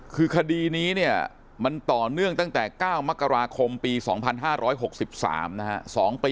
คือคดีนี้เนี่ยมันต่อเนื่องตั้งแต่๙มกราคมปี๒๕๖๓นะฮะ